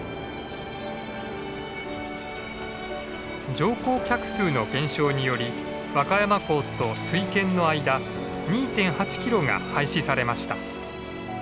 乗降客数の減少により和歌山港と水軒の間２．８キロが廃止されました。